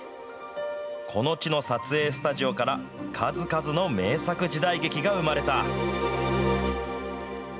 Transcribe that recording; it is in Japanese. この地の撮影スタジオから数々の名作時代劇が生まれた。